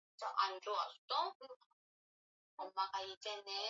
la kutaka kudhibiti urukaji wa ndege katika anga ya libya